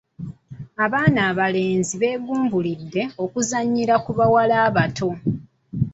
Abaana abalenzi beegumbuludde okuzannyira ku bawala abato.